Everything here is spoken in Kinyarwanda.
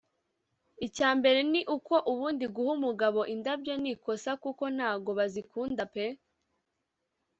icy’ambere ni uko ubundi guha umugabo indabyo ni ikosa kuko ntago bazikunda pe